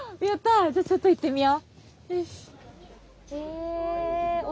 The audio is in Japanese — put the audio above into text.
じゃあちょっと行ってみよう。